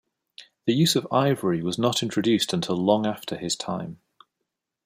The use of ivory was not introduced until long after his time.